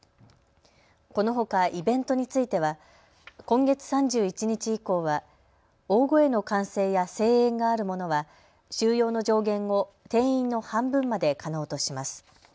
このほかイベントについては今月３１日以降は大声の歓声や声援があるものは収容の上限を定員の半分まで可能とします。